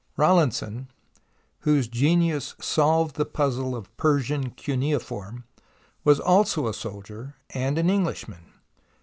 Rawlinson, whose genius solved the puzzle of Persian cuneiform, was also a soldier and an Englishman.